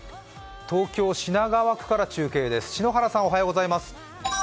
東京・品川区から中継です。